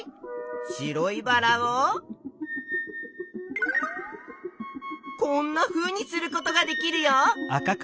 白いバラをこんなふうにすることができるよ！